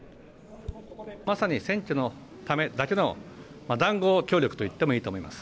まさに選挙のためだけの談合協力と言ってもいいと思います。